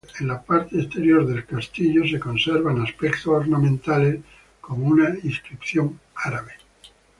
En la parte exterior del castillo se conservan aspectos ornamentales como una inscripción árabe.